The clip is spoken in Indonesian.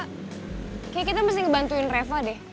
kayaknya kita mesti ngebantuin reva deh